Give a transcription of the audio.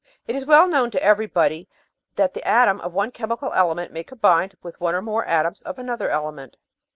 1 It is well known to everybody that the atom of one chemical element may combine with one or more atoms of another element.